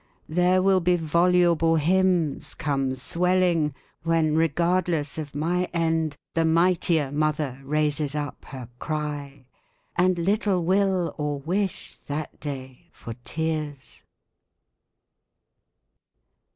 There will be voluble hymns Come swelling, when, regardless of my end. The mightier mother raises up her cry: And little will or wish, that day, for tears.